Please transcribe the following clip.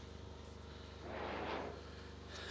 Nació en Melilla o en Sama de Langreo.